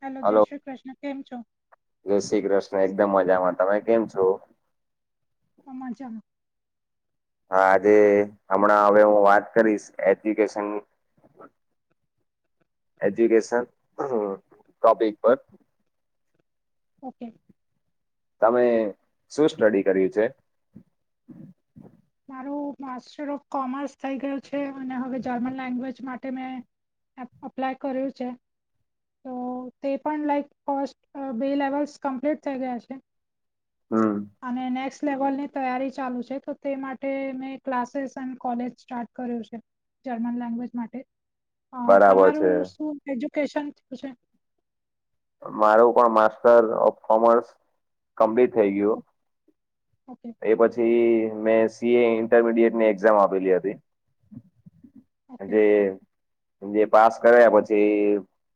Hello જય hello Shri Krishna કેમ છો. જય શ્રી કૃષ્ણ એકદમ મજામાં તમે કેમ છો. [inaudible] હા આજે હમણાં હવે હું વાત કરીશ એજ્યુકેશન એજ્યુકેશન ટોપિક પર. ઓકે. તમે શું સ્ટડી કર્યું છે. માર માસ્ટર ઓફ કોમર્સ થઈ ગયું છે અને હવે જર્મન લેંગ્વેજ માટે મેં અપ્લાય કર્યું છે. તો તે પણ લાઈક કોસ્ટ બે લેવલ્સ કમ્પ્લીટ થઈ ગયા છે. હમ. અને નેક્સ્ટ લેવલ ની તૈયારી ચાલુ છે તો તે માટે મેં ક્લાસીસ એ કોલેજ સ્ટાર્ટ કર્યું છે જર્મન લેંગ્વેજ માટે. હ બરાબર છે તમારું શું એજુકેશન થયું છે. મારું પણ માસ્ટર ઓફ કોમર્સ કમ્પ્લીટ થઈ ગયું ઓકે એ પછી મે સીએ ઇન્ટરમીડિયટ ની એક્ઝામ આપેલી હતી. ઓકે જે જે પાસ કર્યા પછી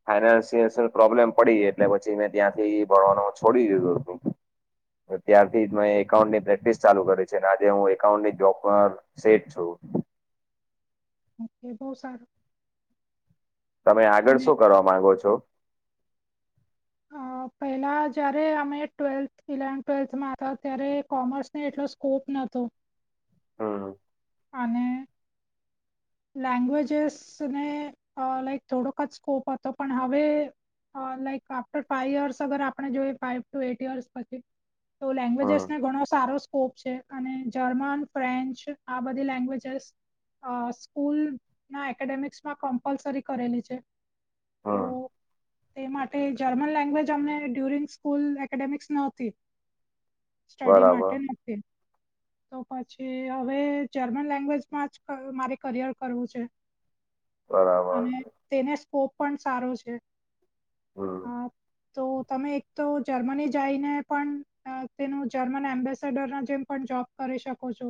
ફાઈનાન્સય પ્રોબ્લેમ પડી એટલે પછી મેં ત્યાંથી ભણવાનું છોડી દીધું હતું. ત્યારથી જ મેં એકાઉન્ટ ની પ્રેક્ટિસ ચાલુ કરી છે આજે હું એકાઉન્ટની જોક સેટ છું. ઓકે બહુ સારું. તમે આગળ અને શું કરવા માંગો છો? અ પહેલા જયારે અમે ટ્વેલ્થ ઇલેવન્થ ટ્વેલ્થમાં હતા ત્યારે કોમર્સને એટલો સ્કોપ નોતો. હા. અને લેંગ્વેજેસ ને લાઈક થોડોક જ સ્કોપ હતો પણ હવે લાઈક આફ્ટર ફાઈવ યર્સ અગર આપણે જોઈએ ફાઇવ ટુ એઇટ યર્સ પછી તો લેંગ્વેજસ હમ ને ઘણો સારો સ્કોપ છે અને જર્મન ફ્રેન્ચ આ બધી લેંગ્વેજસ સ્કૂલ ના એકેડેમિક્સ માં કમ્પલસરી કરેલી છે. તો હમ તે માટે જર્મન લેંગ્વેજ અમને ડ્યુરિંગ સ્કૂલ એકેડેમિક્સ નતી. સ્ટડી બરાબર માટે નક્કી. તો પછી હવે જર્મન લેંગ્વેજમાં જ મારે કરિયર કરવું છે. બરાબર. તેને સ્કોપ પણ સારો છે. અ [inaudible] તો તમે એક તો જર્મની જઈને પણ તેનું જર્મન એમ્બેસેડર ના જેમ પણ જોબ કરી શકો છો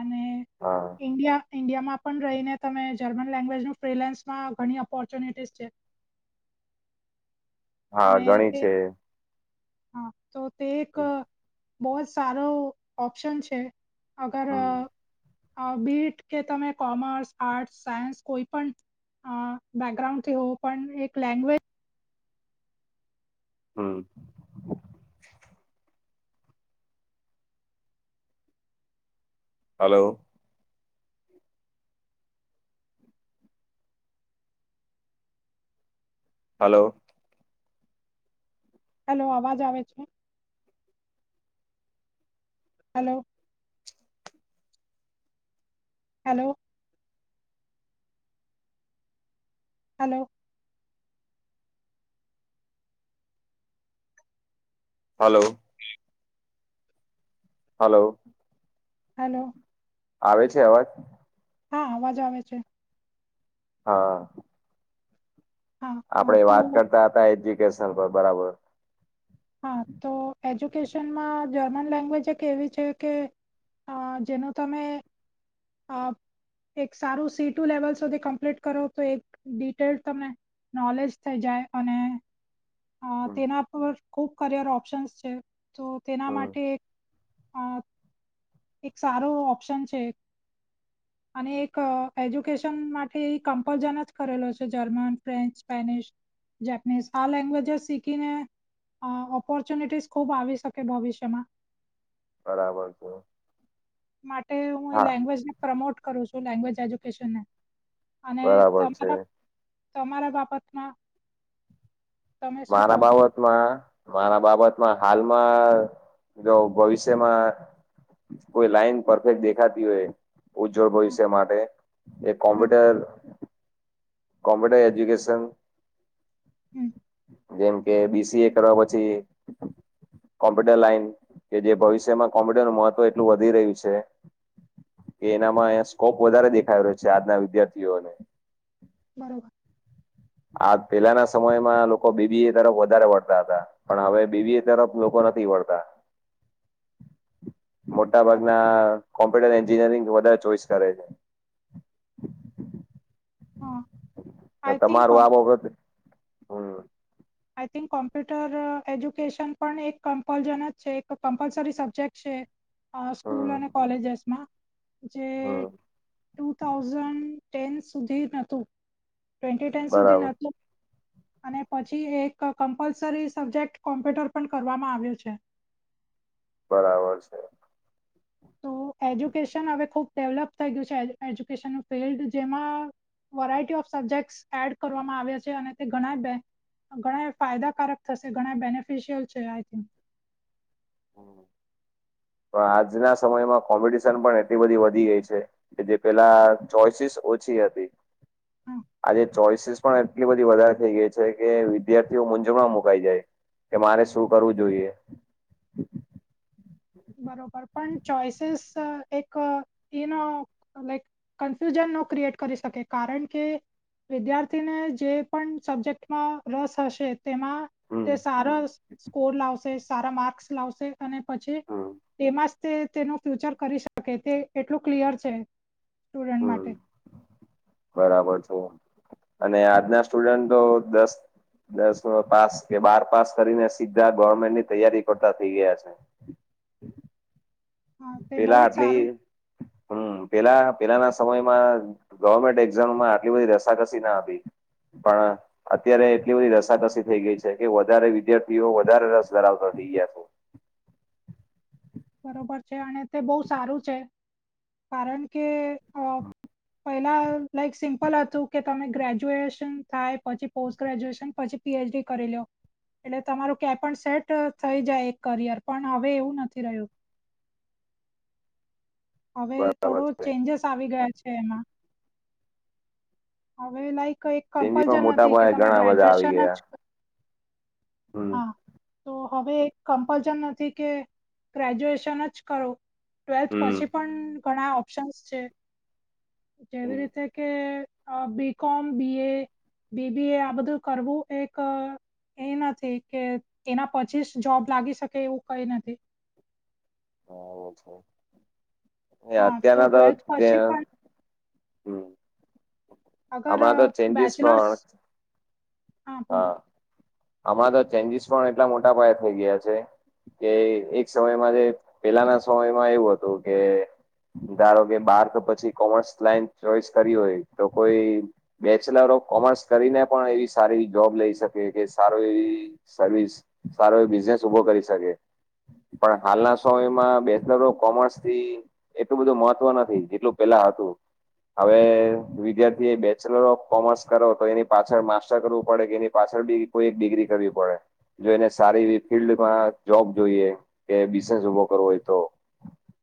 અને હા. ઈન્ડિયા ઈન્ડિયામાં પણ રહીને તમે જર્મન લેંગ્વેજ ન ફ્રીલેન્સમાં ઘણી ઓપોર્ચ્યુનિટીસ છે. હા અને ગણી તે છે. હા તો તે એક બહું જ સારો ઓપ્શન છે. અગર હમ બીટ કે તમે કોમર્સ આર્ટસ સાયન્સ કોઈ પણ અ બ બેકગ્રાઉન્ડ થી હો પણ એક લેંગ્વેજ હમ. હલો હલો હેલો અવાજ આવે છે? Hello hello. Hello. Hello. Hello. Hello. આવે છે, અવાજ? હા અવાજ આવે છે. હા- હા હા આપણે તો વાત કરતા હતા એજ્યુકેશન પર બરાબર- હા તો એજ્યુકેશનમાં જર્મન લેંગ્વેજ એક એવી છે, કે- હ જેનું તમે- એક સારું સી ટુ લેવલ સુધી કમ્પ્લીટ કરો તો એક ડિટેલડ તને- નોલેજ થઈ જાય અને- અ હમ તેના પર ખૂબ કરિયર ઓપ્શન્સ છે, તો તેના હમ માટે એક- અ એક સારો ઓપ્શન છે. [inaudible] અને એક એજ્યુકેશન માટે કમ્પલશન જ કરેલો છે, જર્મન, ફ્રેન્ચ, સ્પેનિશ- જપનીઝ આ લેંગ્વેજસ શીખીને- ઓપોર્ચ્યુનિટીઝ ખુબ આવી શકે ભવિષ્યમાં- બરાબર છે. માટે હું એ હા લેંગ્વેજને પ્રમોટ કરું છું. લેંગ્વેજ એજ્યુકેશન ને- અને બરાબર છે તમારા તમારા બાબતમાં- તમે શું કહો મારા છો બાબત- મારા બાબતમાં હાલમાં જો ભવિષ્યમાં- કોઈ લાઈન પરફેક્ટ દેખાતી હોય- ઉજ્જવળ હા ભવિષ્ય માટે એક હા કોમ્પ્યુટર- કોમપ્યુટર એજ્યુકેશન- હમ જેમ કે બી-સી-એ કરવા પછી- કોમ્પ્યુટર લાઈન કે જે ભવિષ્યમાં કોમ્પ્યુટરનું મહત્વ એટલું વધી રહ્યું છે. એ એનામાં સ્કોપ વધારે દેખાય રહ્યો છે, આજના વિદ્યાર્થીઓને- બરોબર આ પેલાના સમયમાં લોકો બી-બી-એ તરફ વધારે વળતા હતા- પણ હવે બી-બી-એ તરફ લોકો નથી વળતા. મોટા બરોબર ભાગના કોમ્પ્યુટર એન્જિનિયરિંગ વધારે ચોઈસ કરે છે. હા આઈ થિંક તમારું આ બાબત - આઈ થિંક કોમ્પ્યુટર એજ્યુકેશન પણ એક કમ્પલજન જ છે, એક કમ્પલસરી સબ્જેક્ટ છે. સ્કૂલ હમ અને કોલેજસમાં જે હમ ટુ થાઉઝન્ડ- ટેન સુધી નતું ટન સુધી બરાબર નતું અને- પછી એક કમ્પલસરી સબ્જેક્ટ કોમ્પ્યુટર પણ કરવામાં આવ્યો છે. બરાબર છે. તો એજ્યુકેશન હવે ખુબ ડેવલપ થઈ ગયું છે, એજ્યુકેશનનું ફિલ્ડ જેમાં- વરાયટી ઓફ સબ્જેક્ટ એડ કરવામાં આવે્યા છે, અને તે ઘણા બે- ઘણા ફાયદાકારક થશે ઘણા બેનિફિશિયલ છે, આઈ થિક- પણ આજના સમયમાં કોમ્પિટિશન પણ એટલી બધી વધી ગઈ છે. કે જે પેલા ચોઈસીસ ઓછી હતી. હા આજે ચોઈસ પણ એટલી બધી વધારે થઈ ગઈ છે, કે વિદ્યાર્થીઓ મૂંઝવણ મુકાઈ જાય. કે મારે શું કરવું જોઈએ, બરોબર પણ ચોઈસીસ એક એનો લાઈક. કન્ફ્યુઝન નો ક્રિએટ કરી શકે કારણ કે, વિદ્યાર્થીને જે પણ સબ્જેક્ટમાં રસ હશે. તેમાં હમ તે સારા સ્કોર લાવશે, સારા માર્ક્સ લાવશે, અને પછી- હમ તેમાં જતે તેનું ફ્યુચર કરી શકે તે એટલું ક્લયર છે, સ્ટુડન્ટ હમ માટે. બરાબર છે, અને આજના સ્ટુડન્ટતો દસ. દસ પાસ કે બાર પાસ કરીને સીધા ગવર્મેન્ટની તૈયારી કરતા થઇ ગયા છે. હા તે બહુ પેલા જ આટલી સારું હમ પેલા પેલાના સમયમાં. ગવર્મેન્ટ એક્ઝામમાં આટલી બધી રસાકસી ના હતી પણ, અત્યારે એટલી બધી રસાકસી થઈ ગઈ છે, કે વધારે વિદ્યાર્થીઓ વધારે રસ ધરાવતા થઈ ગયા છે. બરોબર છે, અને તે બહુ સારું છે, કારણ કે અ પેલા લાઈક સિમ્પલ હતું, કે તમે ગ્રેજ્યુએશન થાય પછી પોસ્ટ ગ્રેજ્યુએશન પછી પીએચડી કરીલ્યો. એટલે તમારું ક્યાં પણ સેટ થઈ જાય એક કરિયર પણ હવે એવું નથી રહ્યું, હવે બરાબર થોડો છે ચેન્જસ આવી ગયા છે, એમાં હવે લાઈક એક ચેન્જીસમાં કમ્પલસન મોટા નથી, કે પાયે તમે ઘણા બધા આવી ગ્રેજ્યુએશન ગયા જ હમ હા તો હવે એક કમ્પલશન નથી કે ગ્રેજ્યુએશન જ કરો. ટ્વેલ્થ હમ પછી પણ ઘણા ઓપ્શન્સ છે, જેવી હમ રીતે કે બી ‌. કોમ, બી. એ. બીબીએ આ બધું કરવું એક એ નથી કે એના પછી જ જોબ લાગી શકે એવું કંઈ નથી. હ છે, હા અત્યારના તો, ટ્વેલ્થ પછી ત્યાં પણ અગર હમણાં તો ચેન્જીસ બેચલર્સ પણ, હા બોલ હમણાં તો ચેન્જીસ પણ એટલા મોટા પાયે થઇ ગયા છે. કે એક સમયમાં જે પેલાના સમયમાં એવું હતું, કે ધારોકે, બાર કે પછી કોમર્સ લાઈન ચોઈસ કરી હોય તો કોઈ બેચલર ઓફ કોમર્સ કરીને પણ એવી સારી જોબ લઈ શકે છે. સારું એવી સર્વિસ સારો એવો બિઝનેસ ઉભો કરી શકે, પણ હાલના સમયમાં બેચલર ઓફ કોમર્સથી, એટલું બધું મહત્વ નથી જેટલું પેલા હતું. હવે વિદ્યાર્થીએ બેચલર ઓફ કોમર્સ કરો તો એની પાછળ માસ્ટર કરવું પડે કે એની પાછળબી કોઈ એક ડિગ્રી કરવી પડે. જો એને સારી એવી ફિલ્ડમાં જોબ જોઈએ કે બિઝનેસ ઉભો કરવો હોય તો,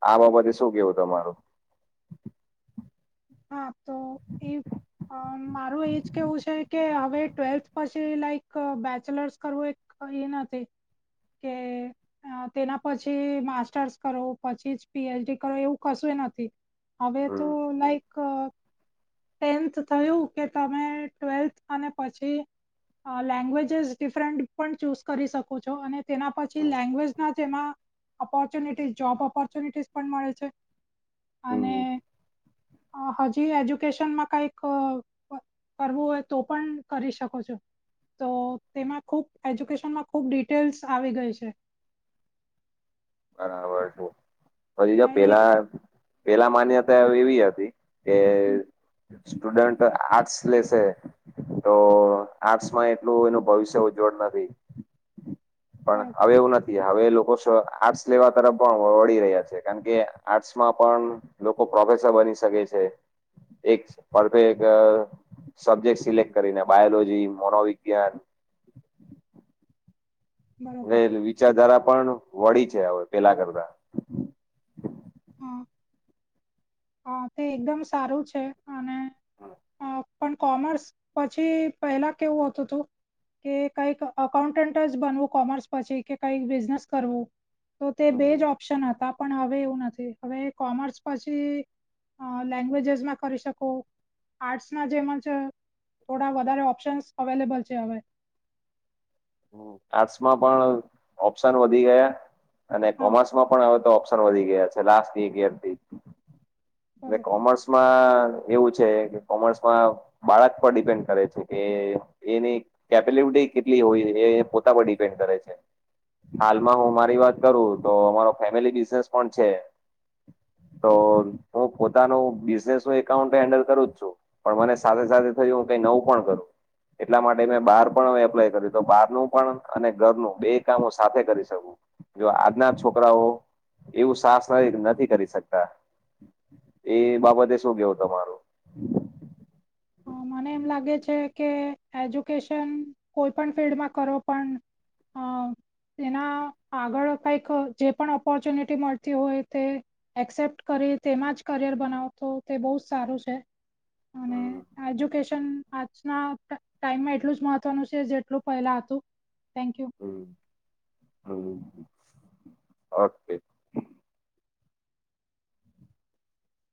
આ બાબતે શું કેવું તમારું? હાતો એ અમ મારું એજ કેવું છે, કે હવે ટ્વેલ્થ પછી લાઈક બેચલર્સ કરવું કંઈ નથી કે, તેના પછી માસ્ટર્સ કરો પછી જ પી. એચ. ડી કરો એવું કશુંએ નથી, હવે તો હમ લાઈક. ટેન્થ થયું કે તમે ટ્વેલ્થ અને પછી, લેંગ્વેજીસ ડિફરન્ટ પણ ચૂઝ કરી શકો છો, અને તેના પછી હમ લેંગ્વેજના જ એમાં ઓપોર્ચ્યુનિટીસ જોબ ઓપોર્ચ્યુનિટીસ પણ મળે છે. અને હમ હજી એજુ કેસન કંઈક કરવું હોય તો પણ કરી શકો છો. તો તેમાં ખુબ એજ્યુકેશનમાં ખુબ ડિટેલ્સ આવી ગઈ છે. બરાબર છે પછી જો અ, એક પેલા પેલા માન્યતા એવી હતી કે સ્ટુડન્ટ આર્ટસ લેશે તો આર્ટસમાં એટલું એનું ભવિષ્ય ઉજ્જવળ નથી. પણ બરોબર હવે એવું નથી, હવે એલોકો આર્ટસ જેવા તરફ પણ વળી રહ્યા છે કારણ કે આર્ટસમાં પણ લોકો પ્રોફેસર બની શકે છે એક પરફેક્ટ સબ્જેક્ટ સિલેક્ટ કરીને બાયોલોજી, મોનોવિજ્ઞાન, બરોબર એ વિચારધારા પણ વળી છે હવે પેલા કરતા હમ હ તે એકદમ સારું છે અને અ પણ કોમર્સ પછી પહેલા કેવું હતું તું કે કઈક અકાઉન્ટન્ટ જ બનવું કોમર્સ પછી કે કઈક બિઝનેસ કરવું તો તે બે જ ઓપ્શન હતા પણ હવે એવું નથી હવે કોમર્સ પછી લેંગ્વેજસમાં કરી શકો આર્ટ્સ ના જેમ જ થોડા વધારે ઓપ્શન્સ અવેલેબલ છે હવે હ આર્ટસમાં પણ ઓપ્શન વધી ગયા અને હા કોમર્સમાં પણ આવે તો ઓપ્શન તર વધી ગયા [unintelligible] ને બરોબર કોમર્સ એવું છે કે કોમર્સમાં બાળક પર ડિપેન્ડ કરે છે કે એની કેપેબિલિટી કેટલી હોય એ પોતા પર ડિપેન્ડ કરે છે. હાલમાં હું મારી વાત કરું તો અમારો ફેમિલી બિઝનેસ પણ છે. તો હું પોતાનું બિઝનેસું એકાઉન્ટ હેન્ડલ કરું જ છું. પણ મને સાથે સાથે થયું હું કઈ નવું પણ કરું એટલા માટે મેં બાર પણ એપ્લાય કર્યું તો બહારનું પણ અને ઘરનું બે કામો સાથે કરી શકવું જો આજના છોકરાઓ એવું સાસ નથી નથી કરી શકતા એ બાબતે શું કેવું તમારું? હ મને એમ લાગે છે કે એજ્યુકેશન કોઈ પણ ફિલ્ડમાં કરો પણ [inaudible] એના આગળ કઈક જે પણ ઓપોર્ચ્યુનિટી મળતી હોય તે એક્સેપ્ટ કરી તેમાં જ કરિયર બનાવતો તે બહુ જ સારું છે અને હમ એજ્યુકેશન આજના ટાઈમમાં એટલું જ મહત્વનું છે જેટલું પહેલા હતું thank you. Hmm hmm okay